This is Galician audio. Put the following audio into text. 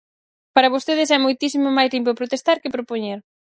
Para vostedes é moitísimo máis limpo protestar que propoñer.